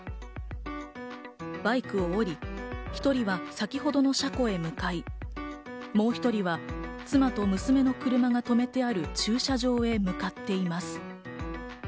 バイクを降り、１人は先ほどの車庫へ向かい、もう一人は妻と娘の車が停めてある駐車場へ向かっています。